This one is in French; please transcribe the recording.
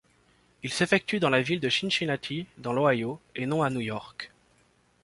Il s’effectue dans la ville de Cincinnati, dans l’Ohio et non à New York.